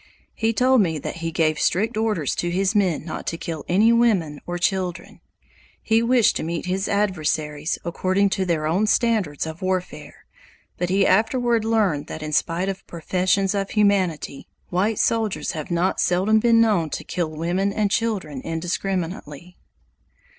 He told me that he gave strict orders to his men not to kill any women or children. He wished to meet his adversaries according to their own standards of warfare, but he afterward learned that in spite of professions of humanity, white soldiers have not seldom been known to kill women and children indiscriminately.